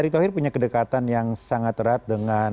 erick thohir punya kedekatan yang sangat erat dengan